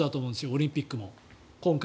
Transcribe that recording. オリンピックも。